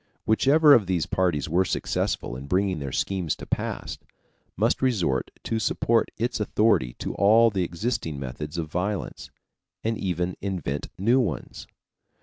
Whichever of these parties were successful in bringing their schemes to pass, must resort to support its authority to all the existing methods of violence, and even invent new ones.